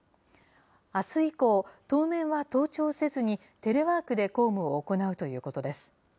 あす以降、当面は登庁せずに、テレワークで公務を行うということです。